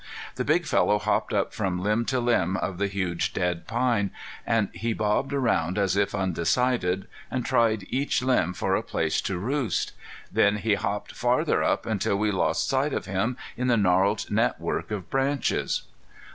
This big fellow hopped up from limb to limb of the huge dead pine, and he bobbed around as if undecided, and tried each limb for a place to roost. Then he hopped farther up until we lost sight of him in the gnarled net work of branches.